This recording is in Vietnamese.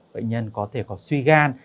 bệnh nhân có thể có suy gan